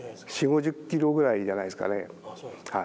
４０５０キロぐらいじゃないですかね。